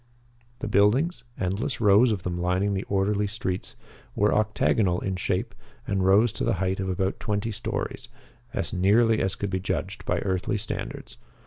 The buildings endless rows of them lining the orderly streets were octagonal in shape and rose to the height of about twenty stories, as nearly as could be judged by earthly standards.